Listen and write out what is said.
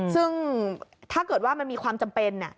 ซึ่งถ้าเกิดว่ามันมีความจำเป็น